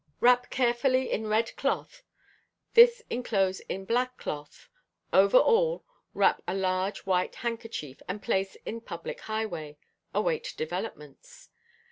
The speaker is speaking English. Wrap carefully in red cloth, this enclose in black cloth, over all wrap a large white handkerchief and place in public highway, await developments....